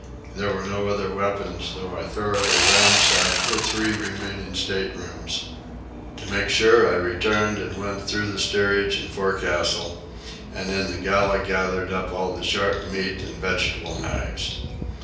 There were no other weapons, though I thoroughly ransacked the three remaining state rooms. To make sure, I returned and went through the steerage and forecastle, and in the galley gathered up all the sharp meat and vegetable knives.